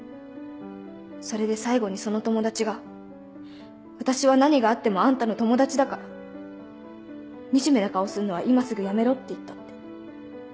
それで最後にその友達が「私は何があってもあんたの友達だから惨めな顔すんのは今すぐやめろ」って言ったって。